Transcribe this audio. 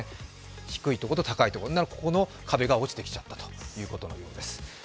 低いところと高いところ、この壁が落ちてしまったということのようです。